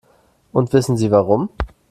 Und wissen Sie warum?